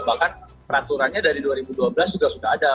bahkan peraturannya dari dua ribu dua belas juga sudah ada